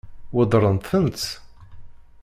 Weddṛent-tent?